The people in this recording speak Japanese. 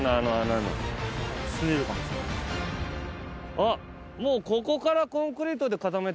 あっもう。